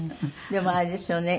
でもあれですよね。